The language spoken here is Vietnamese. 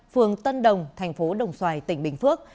phường tân đồng thành phố đồng xoài tỉnh bình phước